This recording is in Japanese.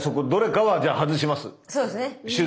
そうですね。